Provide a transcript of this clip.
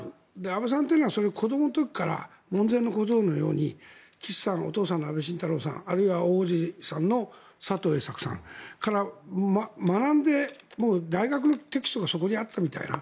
安倍さんというのは子どもの時から門前の小僧のように岸さんお父さんの安倍晋太郎さんあるいは大叔父さんの佐藤栄作さんから学んで大学のテキストがそこにあったみたいな。